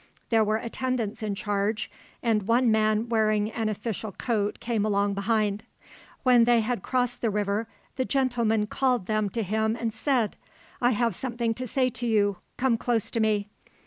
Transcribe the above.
There were attendants in charge, and one man wearing an official coat came along behind. When they had crossed the river the gentleman called them to him and said, "I have something to say to you; come close to me."